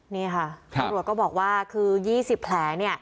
นี่ค่ะข้ารวจบอกว่า๒๐แผล